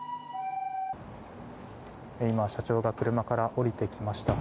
今、社長が車から降りてきました。